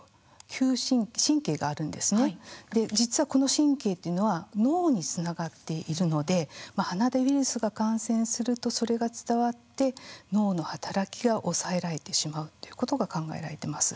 実はこの神経っていうのは脳につながっているので鼻でウイルスが感染するとそれが伝わって脳の働きが抑えられてしまうっていうことが考えられてます。